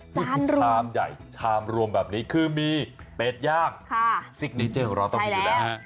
จานรวมชามใหญ่ชามรวมแบบนี้คือมีเป็ดย่างค่ะสิกเนเจอร์ของเราต้องดูนะใช่แล้ว